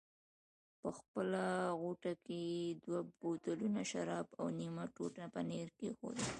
په خپله غوټه کې یې دوه بوتلونه شراب او نیمه ټوټه پنیر کېښوول.